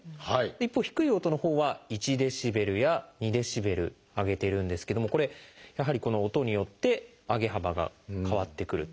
一方低い音のほうは１ｄＢや２ｄＢ上げているんですけどもこれやはりこの音によって上げ幅が変わってくると。